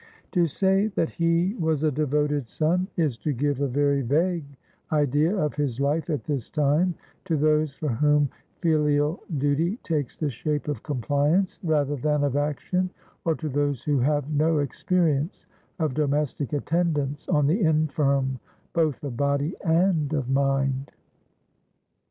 To say that he was a devoted son is to give a very vague idea of his life at this time to those for whom filial duty takes the shape of compliance rather than of action, or to those who have no experience of domestic attendance on the infirm both of body and of mind.